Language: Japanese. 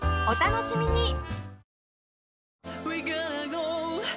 お楽しみに